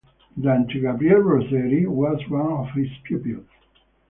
Dante Gabriel Rossetti was one of his pupils.